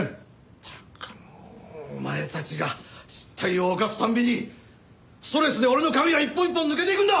ったくもうお前たちが失態を犯す度にストレスで俺の髪は一本一本抜けていくんだ！